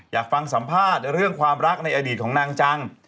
อยากฟังสัมภาษณ์เรื่องความรักในอดีตของนางจัง